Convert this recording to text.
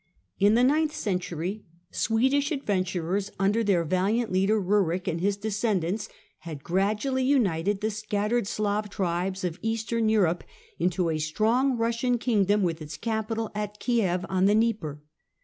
In the ninth century Swedish adventurers, under their valiant leader Eurik and his descendants, had gradually united the scattered Slav tribes of Eastern Europe into a strong Eussian king dom, with its capital at Kiev on the Dnieper.